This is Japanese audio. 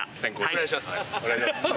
お願いします。